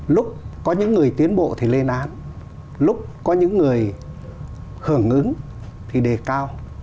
lúc có những người tiến bộ thì lên án lúc có những người hưởng ứng thì đề cao